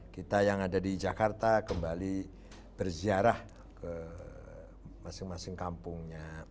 kita yang ada di jakarta kembali berziarah ke masing masing kampungnya